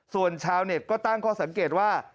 ส่วนชาวเน็ตก็ตั้งข้อสังเกตว่า